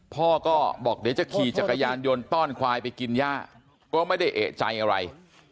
พ่อก็บอกเดี๋ยวจะขี่จักรยานยนต์ต้อนควายไปกินย่าก็ไม่ได้เอกใจอะไร